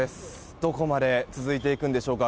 どこまで続いていくんでしょうか